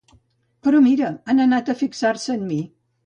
Però, mira, han anat a fixar-se en mi.